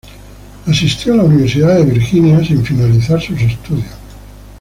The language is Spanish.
Asistió a la Universidad de Virginia sin finalizar sus estudios.